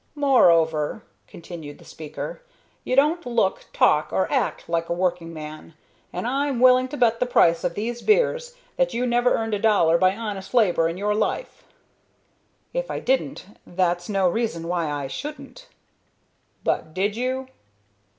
"Moreover," continued the speaker, "you don't look, talk, or act like a working man, and I'm willing to bet the price of these beers that you never earned a dollar by honest labor in your life." "If I didn't, that's no reason why I shouldn't." "But did you?"